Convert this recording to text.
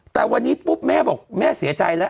แต่วันนี้ปุ๊บแม่บอกแม่เสียใจแล้ว